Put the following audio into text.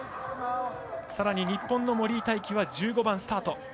さらに日本の森井大輝は１５番スタート。